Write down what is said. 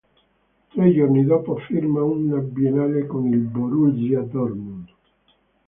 Tre giorni dopo firma un biennale con il Borussia Dortmund.